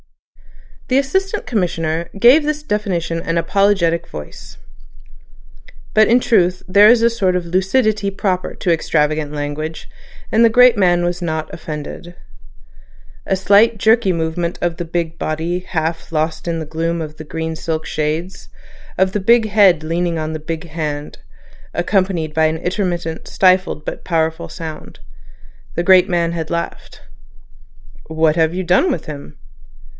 The Assistant Commissioner gave this definition in an apologetic voice. But in truth there is a sort of lucidity proper to extravagant language, and the great man was not offended. A slight jerky movement of the big body half lost in the gloom of the green silk shades, of the big head leaning on the big hand, accompanied an intermittent stifled but powerful sound. The great man had laughed. "What have you done with him?"